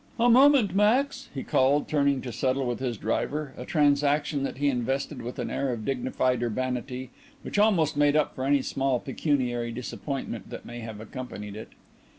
"A moment, Max," he called, turning to settle with his driver, a transaction that he invested with an air of dignified urbanity which almost made up for any small pecuniary disappointment that may have accompanied it.